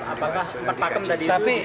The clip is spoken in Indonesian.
apakah perpakem tadi